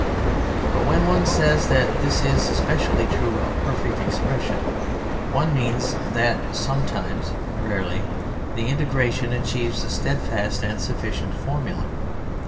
But when one says that this is especially true of perfect expression one means that sometimes, rarely, the integration achieves a steadfast and sufficient formula.